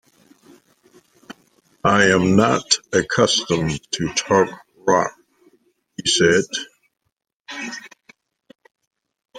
'I am not accustomed to talk rot,' he said.